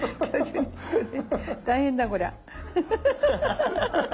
大変だこりゃ。